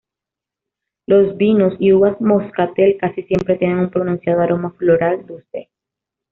Los vinos y uvas moscatel casi siempre tienen un pronunciado aroma floral dulce.